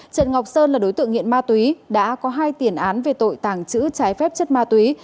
trần ngọc sơn là đối tượng nghiện ma túy đã có hai tiền án về tội tàng trữ trái phép chất ma túy